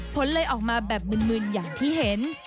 ผลเลยออกมาแบบมึนอย่างที่เห็น